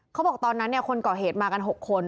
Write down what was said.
เขาบอกตอนนั้นคนก่อเหตุมากัน๖คน